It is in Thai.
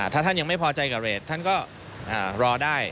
ถ้าท่านยังไม่พอใจกับเรทท่านก็รอได้